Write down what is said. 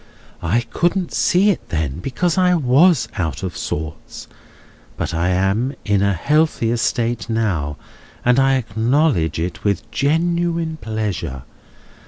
"I couldn't see it then, because I was out of sorts; but I am in a healthier state now, and I acknowledge it with genuine pleasure.